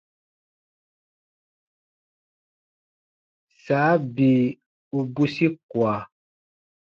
Saa bii u bwisi kua.